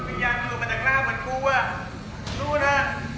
มียากมือออกมาจากร่างเหมือนกูอ่ะรู้นะ